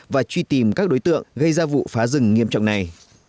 và truy tìm các đối tượng gây ra vụ phá rừng nghiêm trọng này